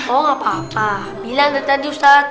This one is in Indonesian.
oh gak apa apa bilang tadi tadi ustadz